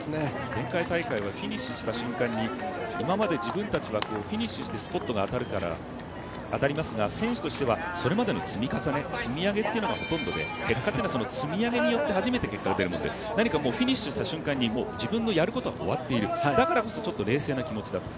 前回大会はフィニッシュした瞬間に今まで自分たちはフィニッシュしてスポットが当たりますが選手としてはそれまでの積み重ね積み上げというのがほとんどで結果はその積み上げによって初めて結果が出るので、何かフィニッシュした瞬間に自分のやることは終わっている、だからこそちょっと冷静な気持ちだと。